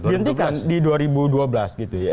dihentikan di dua ribu dua belas gitu ya